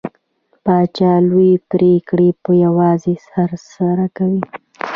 پاچا لوې پرېکړې په يوازې سر سره کوي .